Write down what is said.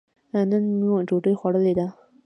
نن مو ډوډۍ خوړلې ده.